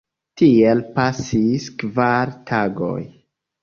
Tiel pasis kvar tagoj.